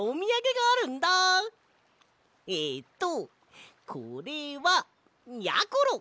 えっとこれはやころ。